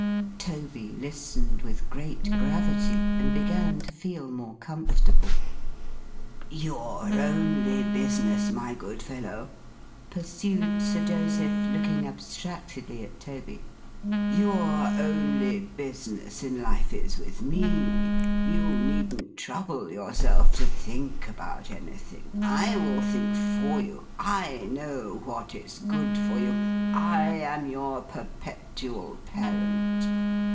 Toby listened with great gravity, and began to feel more comfortable. 'Your only business, my good fellow,' pursued Sir Joseph, looking abstractedly at Toby; 'your only business in life is with me. You needn't trouble yourself to think about anything. I will think for you; I know what is good for you; I am your perpetual parent.